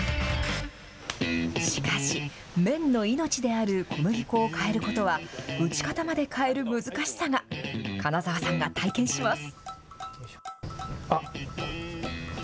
しかし麺の命である小麦粉を変えることは打ち方まで変える難しさが金澤さんが体験します。